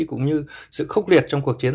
cũng như sự khốc liệt trong cuộc chiến